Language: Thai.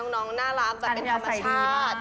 น้องน่ารักเป็นธรรมชาติ